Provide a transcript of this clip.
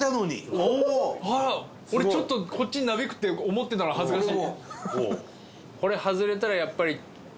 俺、ちょっと、こっちになびくって思ってたの恥ずかしい。